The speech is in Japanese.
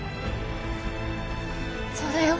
そうだよ。